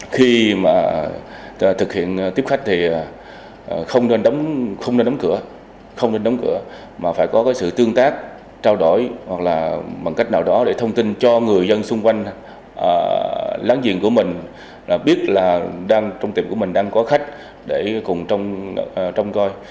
khi thực hiện tiếp khách thì không nên đóng cửa mà phải có sự tương tác trao đổi hoặc là bằng cách nào đó để thông tin cho người dân xung quanh láng giềng của mình biết là trong tiệm của mình đang có khách để cùng trông coi